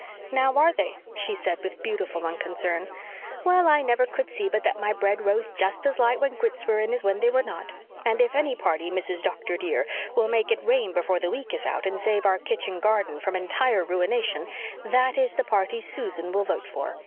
"Now, are they?" she said, with beautiful unconcern. "Well, I never could see but that my bread rose just as light when Grits were in as when they were not. And if any party, Mrs. Doctor, dear, will make it rain before the week is out, and save our kitchen garden from entire ruination, that is the party Susan will vote for.